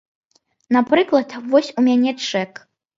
Напрыклад, вось у мяне чэк.